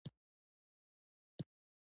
افغانان خپل تاریخي میراث ساتي.